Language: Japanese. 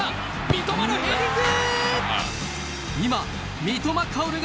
三笘のヘディング！